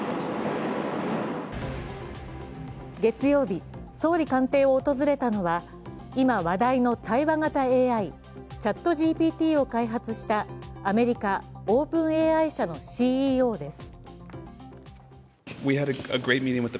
月曜日、総理官邸を訪れたのは今話題の対話型ＡＩ、ＣｈａｔＧＰＴを開発したアメリカ・ＯｐｅｎＡＩ社のＣＥＯです。